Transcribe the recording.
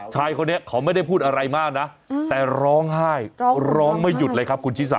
ชายคนนี้เขาไม่ได้พูดอะไรมากนะแต่ร้องไห้ร้องไม่หยุดเลยครับคุณชิสา